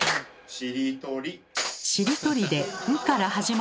しりとり。